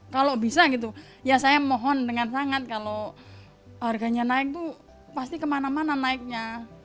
kalau bisa gitu ya saya mohon dengan sangat kalau harganya naik itu pasti kemana mana naiknya